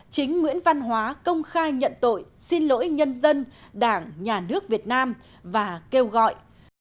chính nguyễn văn hóa công khai nhận tội xin lỗi nhân dân đảng nhà nước việt nam và kêu gọi